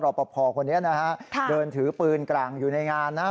ปภคนนี้นะฮะเดินถือปืนกลางอยู่ในงานนะครับ